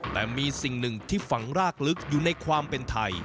แต่มีสิ่งหนึ่งที่ฝังรากลึกอยู่ในความเป็นไทย